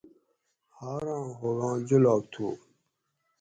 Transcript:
حاراں ھوگاں جولاگ تھو